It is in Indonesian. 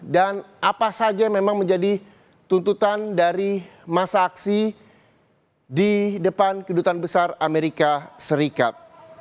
dan apa saja memang menjadi tuntutan dari masa aksi di depan kedudukan besar amerika serikat